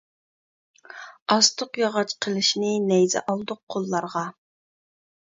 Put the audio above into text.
ئاستۇق ياغاچ قىلىچنى، نەيزە ئالدۇق قوللارغا.